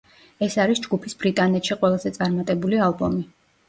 ეს არის ჯგუფის ბრიტანეთში ყველაზე წარმატებული ალბომი.